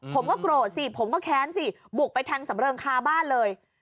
ผมก็โกรธสิผมก็แค้นสิบุกไปแทงสำเริงคาบ้านเลย